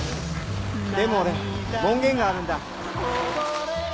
でも俺門限があるんだ。